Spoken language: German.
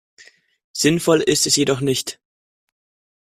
Sinnvoll ist es jedoch nicht.